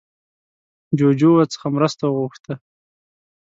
جوجو ورڅخه مرسته وغوښته